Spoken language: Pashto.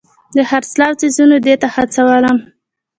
د خرڅلاو څیزونه دې ته هڅولم.